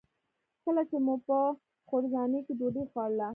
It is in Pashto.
کله چې مو په خوړنځای کې ډوډۍ خوړله.